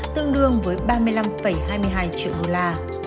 tương đương với ba mươi năm hai mươi hai triệu đô la